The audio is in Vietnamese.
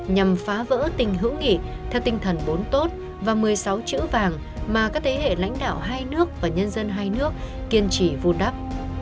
nhằm phá vỡ tình hữu nghị theo tinh thần bốn tốt và một mươi sáu chữ vàng mà các thế hệ lãnh đạo hai nước và nhân dân hai nước kiên trì vun đắp